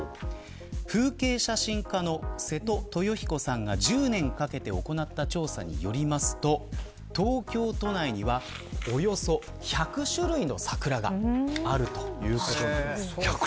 風景写真家の瀬戸豊彦さんが１０年かけて行った調査によりますと東京都内にはおよそ１００種類の桜があるということなんです。